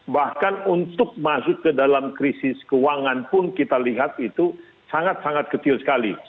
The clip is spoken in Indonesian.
bahkan untuk masuk ke dalam krisis keuangan pun kita lihat itu sangat sangat kecil sekali